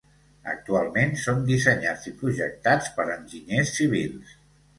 Actualment, són dissenyats i projectats per enginyers civils.